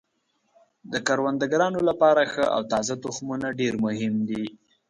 د کروندګرانو لپاره ښه او تازه تخمونه ډیر مهم دي.